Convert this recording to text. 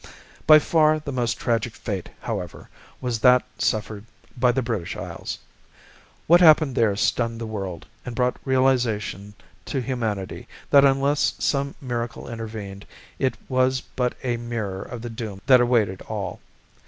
By far the most tragic fate, however, was that suffered by the British Isles. What happened there stunned the world, and brought realization to humanity that unless some miracle intervened, it was but a mirror of the doom that awaited all.